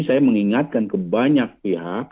saya mengingatkan ke banyak pihak